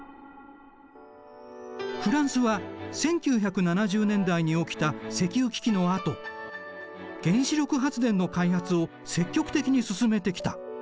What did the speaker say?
フランスは１９７０年代に起きた石油危機のあと原子力発電の開発を積極的に進めてきた。